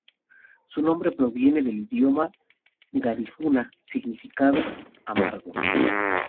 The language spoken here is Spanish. Su nombre proviene del idioma garífuna significando "amargo".